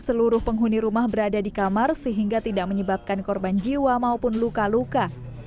seluruh penghuni rumah berada di kamar sehingga tidak menyebabkan korban jiwa maupun luka luka